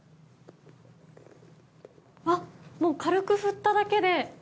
あっもう軽く振っただけで。